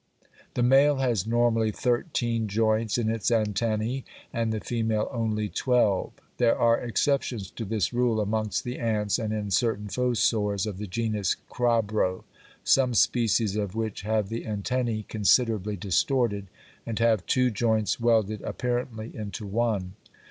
The male has normally thirteen joints in its antennæ, and the female only twelve. There are exceptions to this rule amongst the ants and in certain fossors of the genus Crabro, some species of which have the antennæ considerably distorted, and have two joints welded apparently into one.